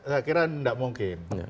saya kira tidak mungkin